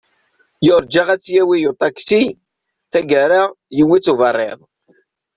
Yurǧa ad t-yawi uṭaksi, taggara yewwi-t uberriḍ.